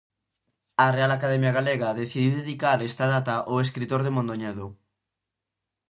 A Real Academia Galega decidiu dedicar esta data ó escritor de Mondoñedo.